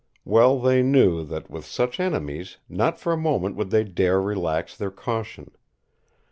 Well they knew that, with such enemies, not for a moment would they dare relax their caution.